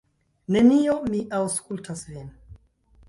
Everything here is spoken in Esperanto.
Nenio, mi aŭskultas vin.